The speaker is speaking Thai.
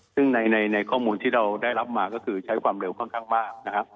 ซึ่งในข้อมูลที่เราได้รับมาก็คือใช้ความเร็วค่อนข้างมากนะครับ